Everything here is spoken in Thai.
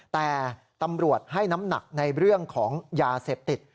แต่ตำรวจให้น้ำหนักในเรื่องของยาเสพติด